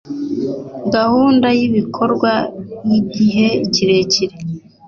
gahunda y ibikorwa y igihe kirekire